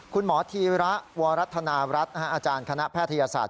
คุณหมอธีระวรัฐนารัฐอาจารย์คณะแพทยศาสตร์